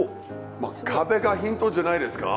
まあ壁がヒントじゃないですか？